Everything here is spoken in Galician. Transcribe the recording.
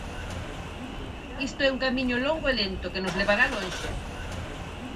Isto é un camiño longo e lento que nos levará lonxe.